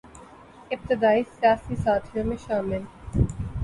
ابتدائی سیاسی ساتھیوں میں شامل